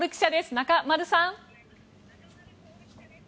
中丸さん。